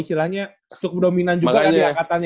istilahnya cukup dominan juga ya di angkatannya